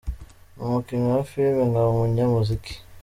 Ni umukinnyi wa filime nkaba umunyamuziki.